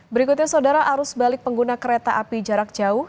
berikutnya saudara arus balik pengguna kereta api jarak jauh